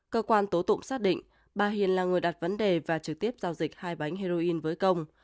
cơ quan tố tụng xác định bà hiền là người đặt vấn đề và trực tiếp giao dịch hai bánh heroin với công